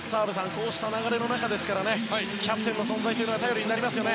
こうした流れの中ですからキャプテンの存在は頼りになりますよね。